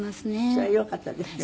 それよかったですよね。